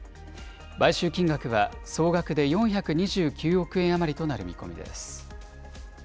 買収金額は総額で４２９億円余りとなる見込みです。